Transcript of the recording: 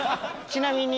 ちなみに。